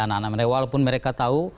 anak anak mereka walaupun mereka tahu